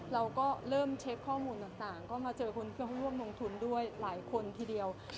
เราก็เริ่มเช็คข้อมูลต่างก็มาเจอคนเพื่อร่วมลงทุนด้วยหลายคนทีเดียว